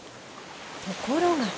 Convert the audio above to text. ところが。